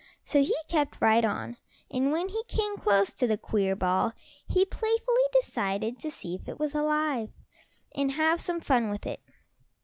So he kept right on, and when he came close to the queer ball he playfully decided to see if it was alive, and have some fun with it.